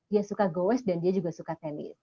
dia suka goes dan dia juga suka tenis